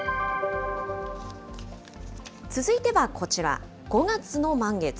続いてはこちら、５月の満月。